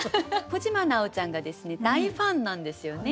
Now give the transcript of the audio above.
小島なおちゃんが大ファンなんですよね。